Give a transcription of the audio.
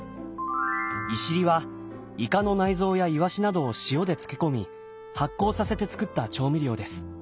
いしりはイカの内臓やイワシなどを塩で漬け込み発酵させて造った調味料です。